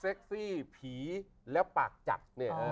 เสกซี่ผีและปากจักร